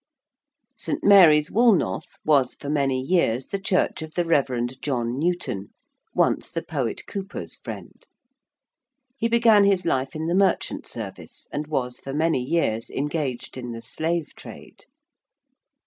St. Mary's Woolnoth was for many years the church of the Rev. John Newton, once the poet Cowper's friend. He began his life in the merchant service and was for many years engaged in the slave trade.